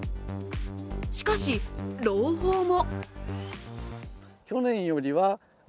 しかし、朗報も。